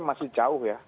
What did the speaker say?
masih jauh ya